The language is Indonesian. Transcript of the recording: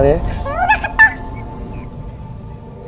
ini udah ketok